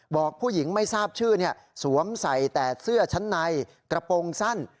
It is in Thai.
บอกผู้หญิงไม่ทราบชื่อสวมใส่แต่เสื้อชั้นในกระโปรงสั้น